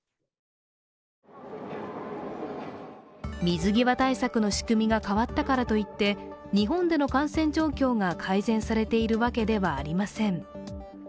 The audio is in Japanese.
水際対策の仕組みが変わったからといって、日本での感染状況が改善されているわけではありません。